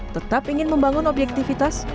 tetap ingin membangun objektivitas